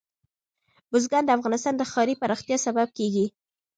بزګان د افغانستان د ښاري پراختیا سبب کېږي.